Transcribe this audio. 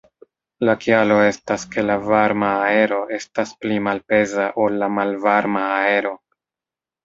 La kialo estas ke la varma aero estas pli malpeza ol la malvarma aero.